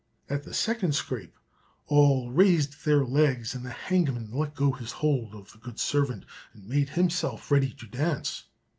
At the second scrape all raised their legs, and the hangman let go his hold of the good servant, and made himself ready to dance.